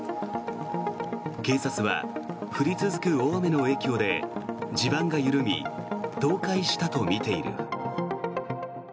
警察は、降り続く大雨の影響で地盤が緩み倒壊したとみている。